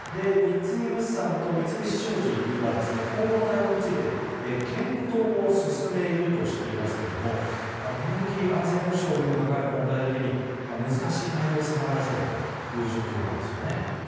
三井物産と三菱商事は今後の対応について検討を進めるとしていますけれどもエネルギー安全保障にも関わる問題であるだけに難しい対応を迫られそうだという状況です。